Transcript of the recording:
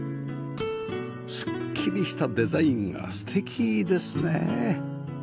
すっきりしたデザインが素敵ですね